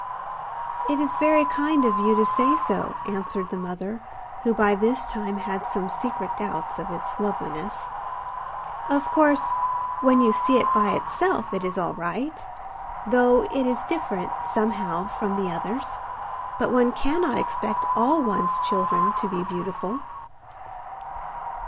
'It is very kind of you to say so,' answered the mother, who by this time had some secret doubts of its loveliness. 'Of course, when you see it by itself it is all right, though it is different, somehow, from the others. But one cannot expect all one's children to be beautiful!